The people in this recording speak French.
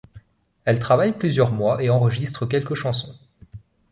Elle travaille plusieurs mois et enregistre quelques chansons.